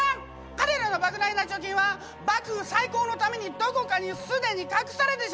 彼らのばく大な貯金は幕府再興のためにどこかに既に隠されてしまった！